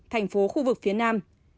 thành phố khu vực phía nam